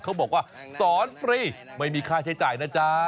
เขาบอกว่าสอนฟรีไม่มีค่าใช้จ่ายนะจ๊ะ